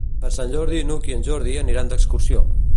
Per Sant Jordi n'Hug i en Jordi aniran d'excursió.